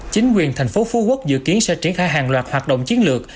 chính quyền tp hcm dự kiến sẽ triển khai hàng loạt hoạt động chiến lược